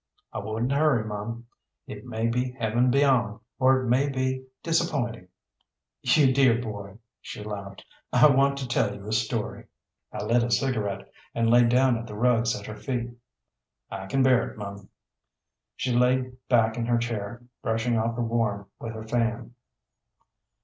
"I wouldn't hurry, mum. It may be heaven beyond, or it may be disappointing." "You dear boy," she laughed; "I want to tell you a story." I lit a cigarette, and lay down at the rugs at her feet. "I can bear it, mum." She lay back in her chair, brushing off the warm with her fan.